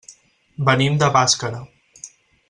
Venim de Bàscara.